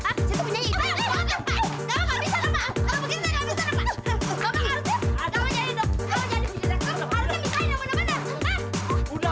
kalau begini nggak bisa pak